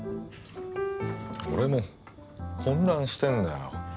俺も混乱してるんだよ。